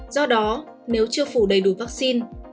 do đó nếu chưa phủ đầy đủ vaccine